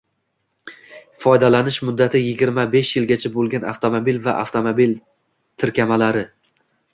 Foydalanish muddati yigirma besh yilgacha bo‘lgan avtomobil va avtomobil tirkamalari